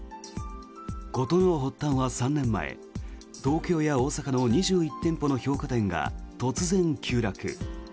事の発端は３年前東京や大阪の２１店舗の評価点が突然、急落。